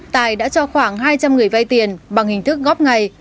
tài đã cho khoảng hai trăm linh người vay tiền bằng hình thức góp ngày